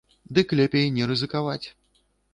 Дык лепей не рызыкаваць.